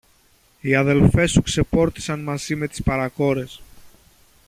Οι αδελφές σου ξεπόρτισαν μαζί με τις παρακόρες.